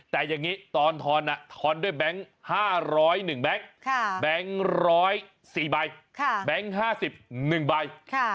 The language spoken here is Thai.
แต่อย่างนี้ตอนทอนทอนด้วยแบงค์๕๐๑แบงค์แบงค์๑๐๔ใบแบงค์๕๑ใบ